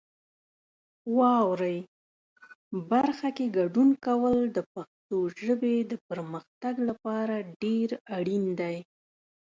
واورئ برخه کې ګډون کول د پښتو ژبې د پرمختګ لپاره ډېر اړین دی.